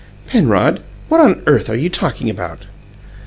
"Penrod, what on earth are you talking about?"